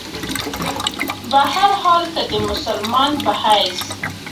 بهرحال کۀ د مسلمان پۀ حېث